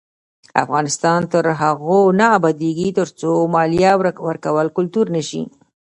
افغانستان تر هغو نه ابادیږي، ترڅو مالیه ورکول کلتور نشي.